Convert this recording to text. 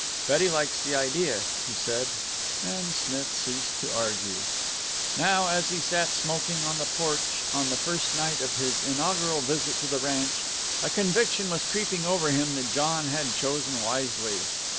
"Betty likes the idea," he said, and Smith ceased to argue. Now, as he sat smoking on the porch on the first night of his inaugural visit to the ranch, a conviction was creeping over him that John had chosen wisely.